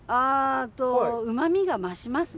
うまみが増しますね。